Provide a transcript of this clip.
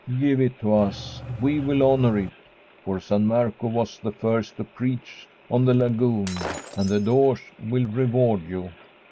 Give it to us ; we will honour it, for San Marco was the first to preach on the Lagoon, and the Doge will reward you."